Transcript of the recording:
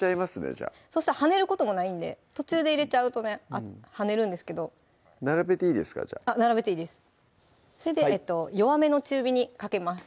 じゃあそしたら跳ねることもないんで途中で入れちゃうとね跳ねるんですけど並べていいですかじゃあ並べていいですそれで弱めの中火にかけます